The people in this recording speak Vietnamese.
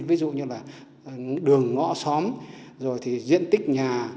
ví dụ như là đường ngõ xóm rồi thì diện tích nhà